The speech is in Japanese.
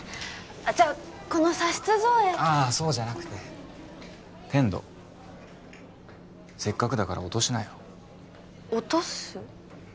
じゃこの左室造影ああそうじゃなくて天堂せっかくだから落としなよ落とす？